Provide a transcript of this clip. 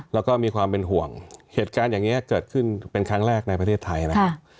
แล้วก็มีความเป็นห่วงเหตุการณ์อย่างนี้เกิดขึ้นเป็นครั้งแรกในประเทศไทยนะครับ